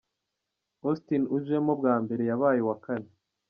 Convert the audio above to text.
Austin ujemo bwa mbere yabaye uwa kane